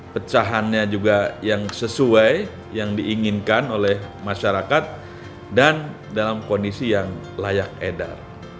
pecahannya juga yang sesuai yang diinginkan oleh masyarakat dan dalam kondisi yang layak edar